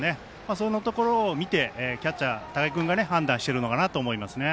そのところを見てキャッチャー高木君が判断しているかなと思いますね。